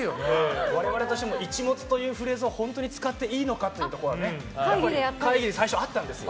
我々としても一物というフレーズを本当に使ってもいいのかというのが会議で最初あったんですよ。